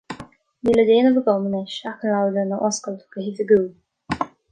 Níl le déanamh agam anois ach an leabharlann a oscailt go hoifigiúil.